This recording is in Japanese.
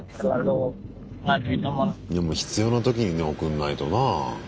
でも必要な時にね送んないとなあ。